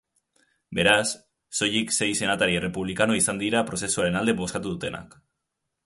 Beraz, soilik sei senatari errepublikano izan dira prozesuaren alde bozkatu dutenak.